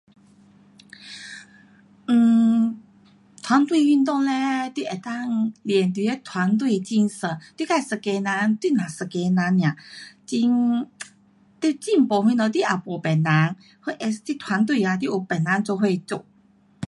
um 嗯团队运动嘞你能够练你的团队精神，你自一个人你只一个人 nia。很 um 你进步什么你也没别人 whereas 你团队啊你有别人作伙做。